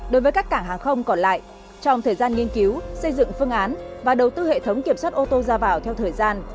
đối với các cảng hàng không còn lại trong thời gian nghiên cứu xây dựng phương án và đầu tư hệ thống kiểm soát ô tô ra vào theo thời gian